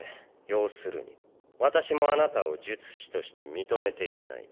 要するに私もあなたを術師として認めていない。